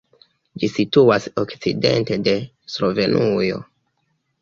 Ĝi situas okcidente de Slovenujo.